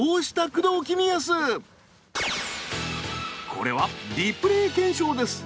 これはリプレー検証です。